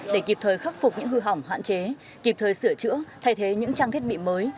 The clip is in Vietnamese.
để kịp thời khắc phục những hư hỏng hạn chế kịp thời sửa chữa thay thế những trang thiết bị mới